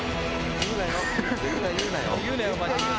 言うなよ。